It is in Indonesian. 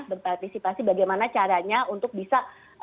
berpartisipasi bagaimana caranya untuk bisa